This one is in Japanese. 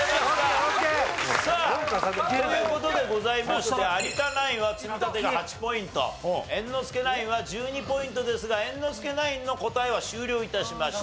さあという事でございまして有田ナインは積み立てが８ポイント猿之助ナインは１２ポイントですが猿之助ナインの答えは終了致しました。